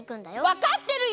わかってるよ！